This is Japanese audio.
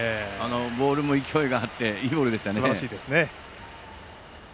ボールも勢いがあっていいボールでしたね。